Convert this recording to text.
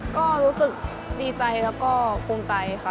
ก็รู้สึกดีใจแล้วก็ภูมิใจค่ะ